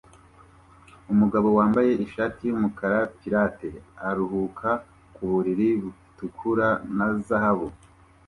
Umugabo wambaye ishati yumukara pirate aruhuka ku buriri butukura na zahabu